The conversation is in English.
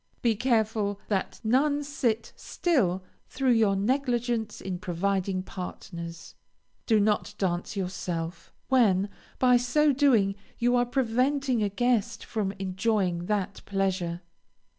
Be careful that none sit still through your negligence in providing partners. Do not dance yourself, when, by so doing, you are preventing a guest from enjoying that pleasure.